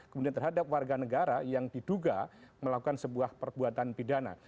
kemudian terhadap warga negara yang diduga melakukan sebuah perbuatan pidana